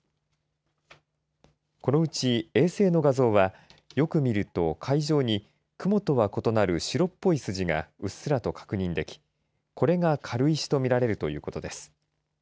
このうち衛星の画像はよく見ると海上に雲とは異なる白っぽい筋がうっすらと確認できこれが軽石とみられるということです。